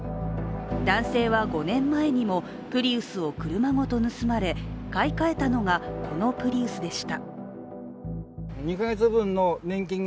男性は５年前にもプリウスを車ごと盗まれ買い換えたのが、このプリウスでした。